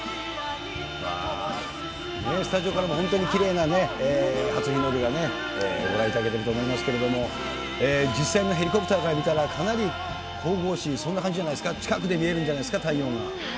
スタジオからも、本当にきれいな初日の出がご覧いただけてると思いますけれども、実際のヘリコプターから見たらかなり神々しい、そんな感じじゃないですか、近くで見えるんじゃないですか、太陽の。